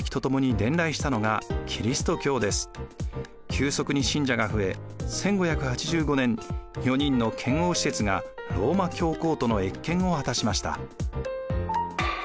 急速に信者が増え１５８５年４人の遣欧使節がローマ教皇との謁見を果たしました。